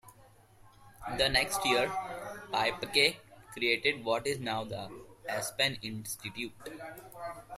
The next year, Paepcke created what is now the Aspen Institute.